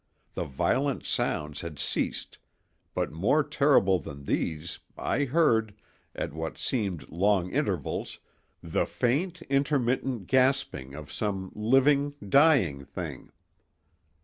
The violent sounds had ceased, but more terrible than these, I heard, at what seemed long intervals, the faint intermittent gasping of some living, dying thing!